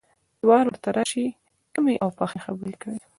چې وار ورته راشي، کمې او پخې خبرې کوي.